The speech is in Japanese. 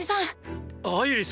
アイリス！